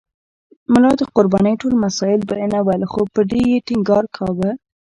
ملا د قربانۍ ټول مسایل بیانول خو پر دې یې ټینګار کاوه.